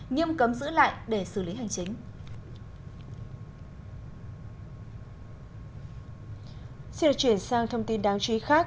nghiêm cấm giữ lại để xử lý hành chính